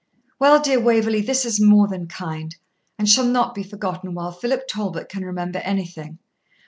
Well, dear Waverley, this is more than kind, and shall not be forgotten while Philip Talbot can remember anything.